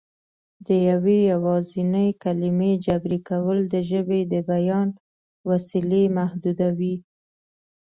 د یوې یوازینۍ کلمې جبري کول د ژبې د بیان وسیلې محدودوي